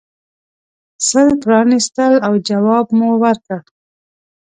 سل پرانیستل او جواب مو ورکړ.